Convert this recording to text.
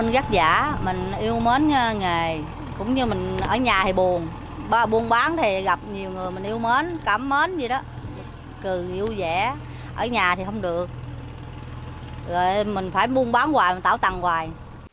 rồi mình phải buôn bán hoài mình tạo tăng hoài